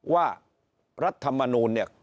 รัฐมนูลเนี่ย